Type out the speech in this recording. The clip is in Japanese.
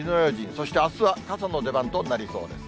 そしてあすは傘の出番となりそうです。